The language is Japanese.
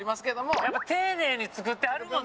やっぱ丁寧に作ってはるもんね